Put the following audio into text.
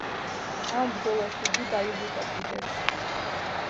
ამ ბრძოლაში იგი დაიღუპა კიდეც.